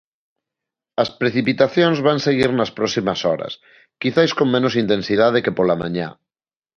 As precipitacións van seguir nas próximas horas, quizais con menos intensidade que pola mañá.